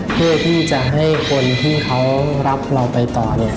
เพื่อจะให้คนที่เขารับเราไปต่อ